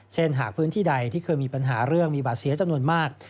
หากพื้นที่ใดที่เคยมีปัญหาเรื่องมีบาดเสียจำนวนมาก